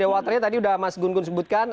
the waternya tadi udah mas gungun sebutkan